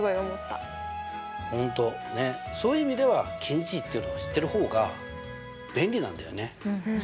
本当ねっそういう意味では近似値っていうのを知ってる方が便利なんだよね。